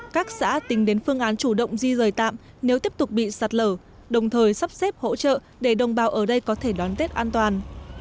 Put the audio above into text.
các xã tính đến phương án chủ động di rời tạm nếu tiếp tục bị sạt lở đồng thời sắp xếp hỗ trợ để đồng bào ở đây có thể đón tết an toàn